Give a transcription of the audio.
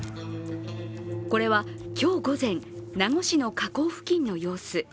これは今日午前、名護市の河口付近の様子。